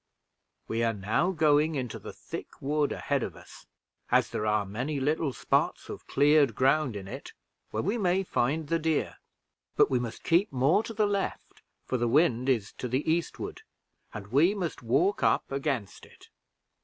We are now going into the thick wood ahead of us, as there are many little spots of cleared ground in it where we may find the deer; but we must keep more to the left, for the wind is to the eastward, and we must walk up against it.